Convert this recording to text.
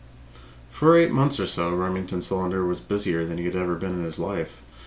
For eight months or so Remington Solander was busier than he had ever been in his life.